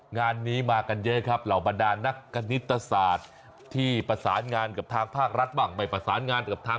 งานนี้มากันเยอะครับเหล่าบรรดานนักกรณิตศาสตร์ที่ประสานงานกับทางภาครัฐบ้าง